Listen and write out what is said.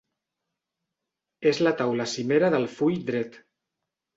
És la taula cimera del full dret.